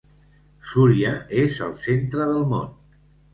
Súria és el centre del món.